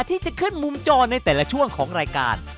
ที่จะขึ้นมุมจอในแต่ละช่วงของรายการ